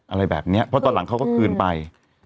อะไรแบบนี้เพราะตอนหลังเขาก็คืนไป